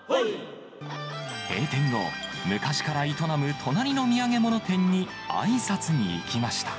閉店後、昔から営む隣の土産物店にあいさつに行きました。